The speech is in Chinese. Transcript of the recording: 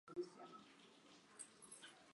当赍首赴阙。